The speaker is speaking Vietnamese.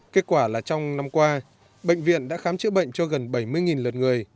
kết quả là trong năm qua bệnh viện đã khám chữa bệnh cho gần bảy mươi lượt người